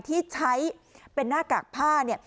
ที่ใช้เป็นหน้ากากผ้า